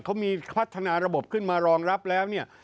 เขามีพัฒนาระบบขึ้นมารองรับแล้วเนี่ย